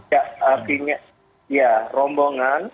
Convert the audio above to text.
ya artinya rombongan